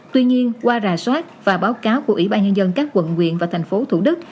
tuy nhiên qua rà soát và báo cáo của ybnd các quận nguyện và thành phố thủ đức